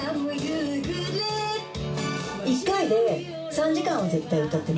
１回で３時間は絶対歌ってます。